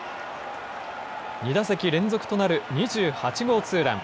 ２打席連続となる２８号ツーラン。